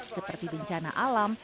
seperti bencana alam